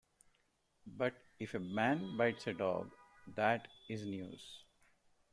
But if a man bites a dog, that is news.